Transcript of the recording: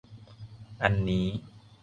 อันนี้